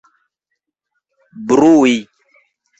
brui